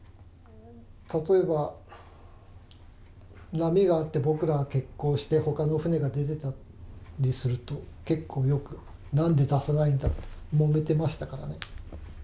例えば、波があって、僕らが欠航して、ほかの船が出てたりすると、結構よく、なんで出さないんだともめてましたからね。